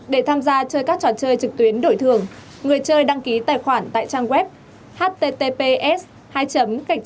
để tham gia chơi các trò chơi trực tuyến đổi thường người chơi đăng ký tài khoản tại trang web https bxx